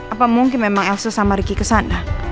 apa mungkin memang elsa sama ricky kesana